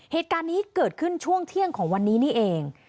เหตุการณ์นี้เกิดขึ้นช่วงเที่ยงของวันนี้นี่เอง